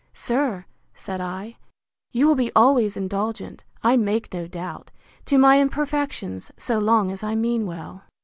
Sir, said I, you will be always indulgent, I make no doubt, to my imperfections, so long as I mean well.